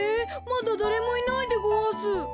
まだだれもいないでごわす。